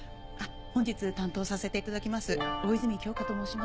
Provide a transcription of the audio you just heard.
本日担当させていただきます大泉喬花と申します。